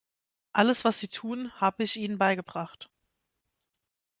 Alles, was sie tun, habe ich Ihnen beigebracht.